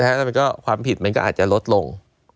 และความผิดมันก็อาจจะลดลง